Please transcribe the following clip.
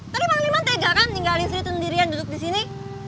cuman tega kan tinggalin sri tundirian duduk di sini